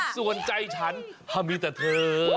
ส่วนใจฉันก็มีแต่เทิน